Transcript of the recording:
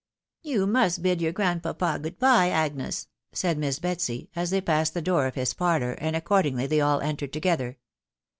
" You .must bid ryour grandpapa good4by, . Agnes," ;said Miss Betsy, as thsy.passed .the door o£ his parlour, and accord ingly they all entered together.